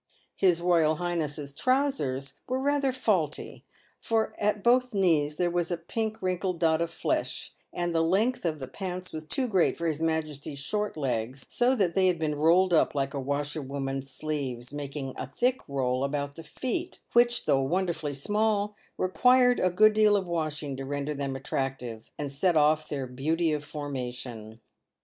His royal highness' s trousers were rather faulty, for at both the knees there was a pink wrinkled dot of flesh, and the length of the pants was too great for his majesty's short legs, so that they had been rolled up like a washerwoman's sleeves, making a thick roll about the feet, which, though wonderfully small, required a good deal of washing to render them attractive, and set off their beauty of formation.